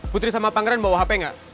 putri sama pangeran bawa hp nggak